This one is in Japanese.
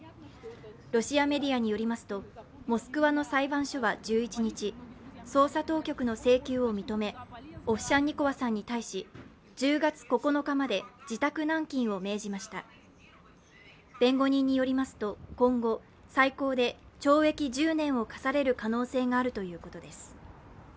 ロシアメディアによりますと、モスクワの裁判所は１１日、捜査当局の請求を認め、オフシャンニコワさんに対し１０月９日まで自宅軟禁を命じました弁護人によりますと今後、最高で懲役１０年を科される可能性があるということです。